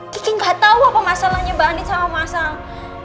kiki gak tau apa masalahnya mbak andin sama masang